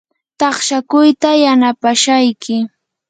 taqshakuyta yanapashayki.